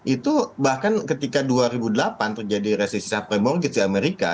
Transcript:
itu bahkan ketika dua ribu delapan terjadi resesi premorgis di amerika